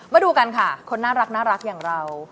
มาดูกันค่ะคนน่ารักอย่างเรา